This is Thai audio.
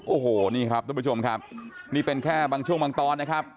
โอ้โหนี่ครับทุกผู้ชมครับนี่เป็นแค่บางช่วงบางตอนนะครับ